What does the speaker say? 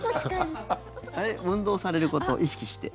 運動されること意識して。